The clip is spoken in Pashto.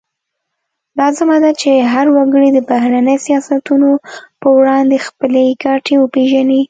لازمه ده چې هر وګړی د بهرني سیاستونو پر وړاندې خپلې ګټې وپیژني